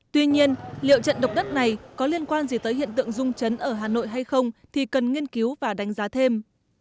tuy nhiên liệu trận động đất này có liên quan gì tới hiện tượng rung chấn ở hà nội hay không thì cần nghiên cứu và đánh giá thêm